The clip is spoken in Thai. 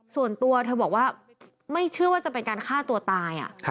ส่วนตัวเธอบอกว่าไม่เชื่อว่าจะเป็นการฆ่าตัวตาย